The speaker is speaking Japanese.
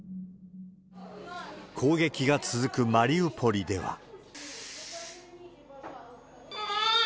攻撃が続くマリウポリでは。